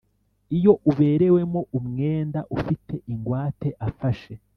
Iyo uberewemo umwenda ufite ingwate afashe